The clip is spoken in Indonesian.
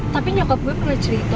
tapi nyokop gue pernah cerita